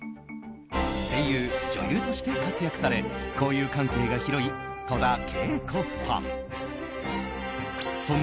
声優、女優として活躍され交友関係が広い戸田恵子さん。